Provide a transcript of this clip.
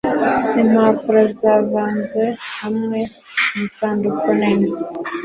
Impapuro zavanze hamwe mu isanduku nini.